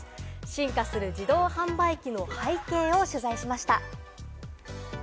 進化する自動販売機の背景を取材しました。